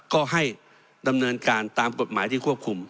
ก็ให้ดำเนินการตามกฎหมายที่ควบคุม